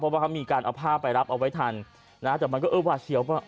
เพราะว่ามีการเอาผ้าไปรับเอาไว้ทันแต่มันก็ว่าเฉียวว่า